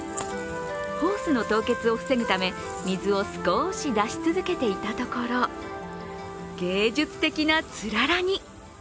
ホースの凍結を防ぐため、水を少し出し続けていたところ、芸術的なつららに。